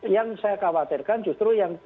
yang saya khawatirkan justru yang